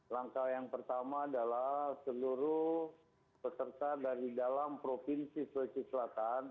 langkah yang pertama adalah seluruh peserta dari dalam provinsi sulawesi selatan